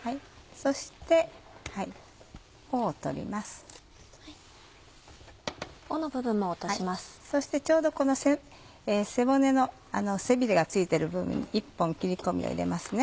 そしてちょうどこの背骨の背びれが付いてる部分に一本切り込みを入れますね。